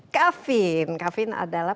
kavin kavin adalah